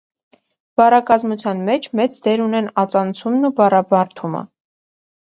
Բառակազմության մեջ մեծ դեր ունեն ածանցումն ու բառաբարդումը։